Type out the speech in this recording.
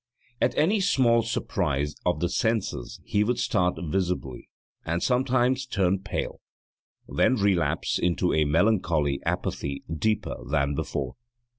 At any small surprise of the senses he would start visibly and sometimes turn pale, then relapse into a melancholy apathy deeper than before.